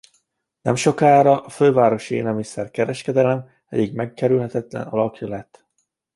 Nemsokára a fővárosi élelmiszer-kereskedelem egyik megkerülhetetlen alakja lett.